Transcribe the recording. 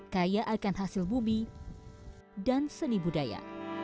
kaya akan hasil bumi dan seni budaya